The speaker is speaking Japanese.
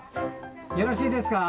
よろしいですか？